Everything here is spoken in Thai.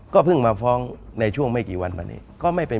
ก็เพิ่งมาฟ้องในช่วงไม่กี่วันมานี้